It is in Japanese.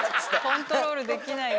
コントロールできないよ。